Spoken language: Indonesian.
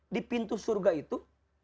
di pintu surga itu